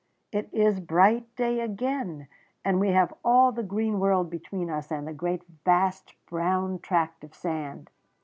it is bright day again, and we have all the green world between us and the great vast brown tract of sand.